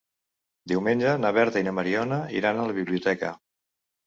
Diumenge na Berta i na Mariona iran a la biblioteca.